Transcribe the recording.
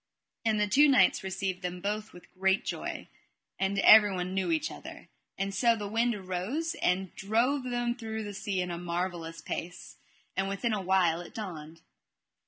And the two knights received them both with great joy, and everych knew other; and so the wind arose, and drove them through the sea in a marvellous pace. And within a while it dawned.